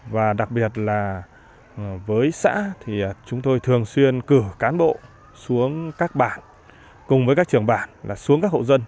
và đặc biệt là với xã thì chúng tôi thường xuyên cử cán bộ xuống các bản cùng với các trưởng bản xuống các hậu dân